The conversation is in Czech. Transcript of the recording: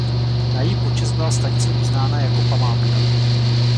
Na její počest byla stanice uznána jako památka.